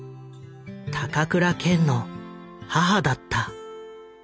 高倉健の母だった。